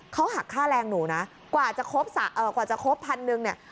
เขาหักค่าแรงหนูนะกว่าจะครบกว่าจะครบพันหนึ่งเนี่ย